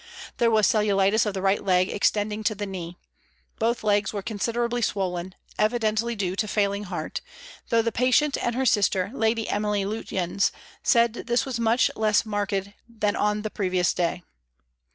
* There was cellulitis of the right leg, extending to the knee. Both legs were considerably swollen (evidently due to failing heart), though the patient and her sister, Lady Emily Lutyens, said this was much less marked than on the previous day.